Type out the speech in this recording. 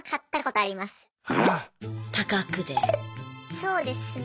そうですね。